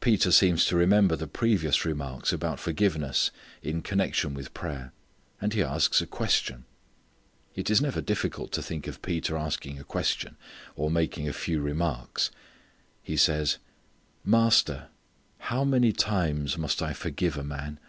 Peter seems to remember the previous remarks about forgiveness in connection with prayer; and he asks a question. It is never difficult to think of Peter asking a question or making a few remarks. He says, "Master, how many times must I forgive a man?